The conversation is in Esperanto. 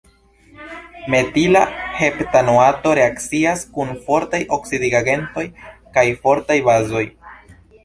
Metila heptanoato reakcias kun fortaj oksidigagentoj kaj fortaj bazoj.